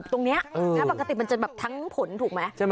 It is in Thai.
ตรงเนี่ยมากระจุมันจะแบบทั้งผลถูกมั้ย